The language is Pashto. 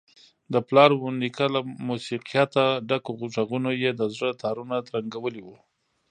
د پلار ونیکه له موسیقیته ډکو غږونو یې د زړه تارونه ترنګولي وو.